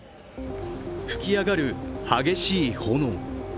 吹き上がる、激しい炎。